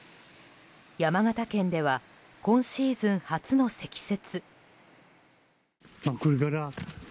山形県では今シーズン初の積雪。